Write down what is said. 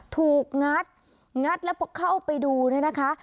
งัดงัดแล้วพอเข้าไปดูเนี่ยนะคะ